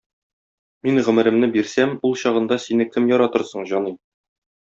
Мин гомеремне бирсәм, ул чагында сине кем яратыр соң, җаный?